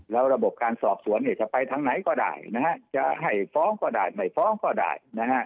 แล้วระบบการสอบสวนเนี่ยจะไปทางไหนก็ได้นะฮะจะให้ฟ้องก็ได้ไม่ฟ้องก็ได้นะฮะ